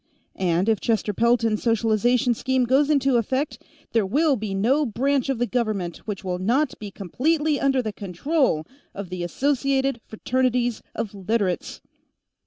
And, if Chester Pelton's socialization scheme goes into effect, there will be no branch of the government which will not be completely under the control of the Associated Fraternities of Literates!"